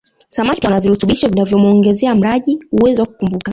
Samaki pia wana virutubisho vinavyomuongezea mlaji uwezo wa kukumbuka